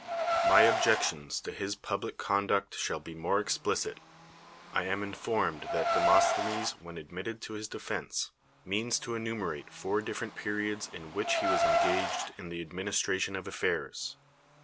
]\Iy objections to his public conduct shall be more explicit. I am informed that Demosthenes, when admitted to his defense, means to enu mi'rate four different periods in which he was engaged in the administration of affairs.